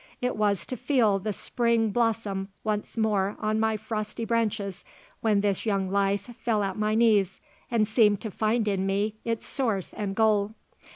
It was to feel the Spring blossom once more on my frosty branches when this young life fell at my knees and seemed to find in me its source and goal.